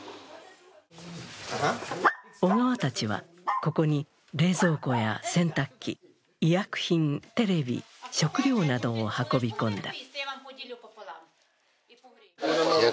小川たちは、ここに冷蔵庫や洗濯機、医薬品、テレビ、食料などを運び込んだ。